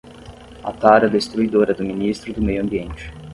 A tara destruidora do ministro do meio ambiente